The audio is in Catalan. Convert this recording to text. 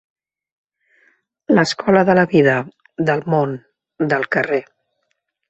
L'escola de la vida, del món, del carrer.